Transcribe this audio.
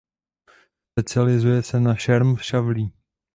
Specializuje se na šerm šavlí.